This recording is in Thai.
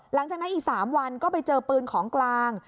หลังจากนั้นอีก๓วันก็ไปเจอปืนของกลาง